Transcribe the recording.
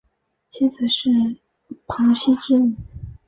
妻子是庞羲之女。